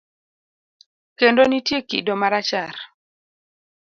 Kendo nitie kido marachar.